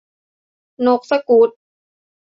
นกสกู๊ต